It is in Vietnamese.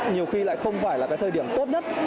nhiều khi lại không phải là cái thời điểm tốt nhất